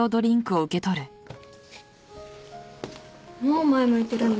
もう前向いてるんだ。